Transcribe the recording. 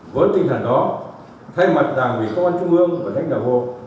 với tinh thần đó thay mặt đảng ủy công an trung ương và lãnh đạo bộ